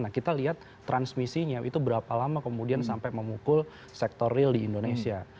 nah kita lihat transmisinya itu berapa lama kemudian sampai memukul sektor real di indonesia